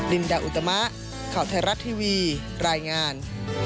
ลินดาอุตมะข่าวไทยรัฐทีวีรายงาน